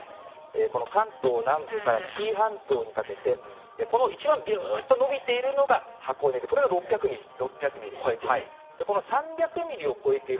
この関東南部から紀伊半島にかけて、この一番びゅーっと伸びているのが、箱根で、これが６００ミリを超えている。